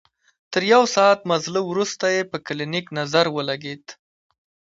تر يو ساعت مزله وروسته يې په کلينيک نظر ولګېد.